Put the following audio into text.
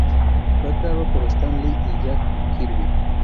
Fue creado por Stan Lee y Jack Kirby.